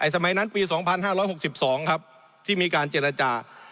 สมัยนั้นปี๒๕๖๒ครับที่มีการเจรจา